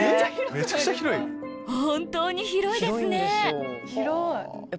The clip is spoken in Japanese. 本当に広いですね！